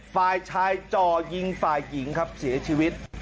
ฝ่ายชายจ่อยิงฝ่ายหญิงครับเสียชีวิต